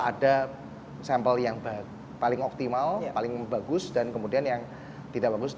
ada sampel yang paling optimal paling bagus dan kemudian yang tidak bagus